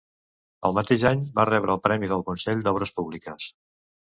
El mateix any va rebre el Premi del Consell d'Obres Públiques.